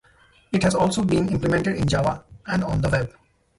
It has also been implemented in Java and on the web.